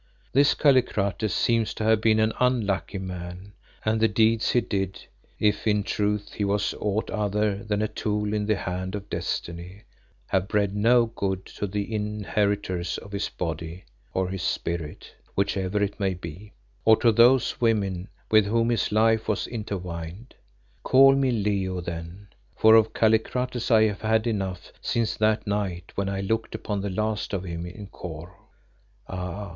This Kallikrates seems to have been an unlucky man, and the deeds he did, if in truth he was aught other than a tool in the hand of destiny, have bred no good to the inheritors of his body or his spirit, whichever it may be or to those women with whom his life was intertwined. Call me Leo, then, for of Kallikrates I have had enough since that night when I looked upon the last of him in Kôr." "Ah!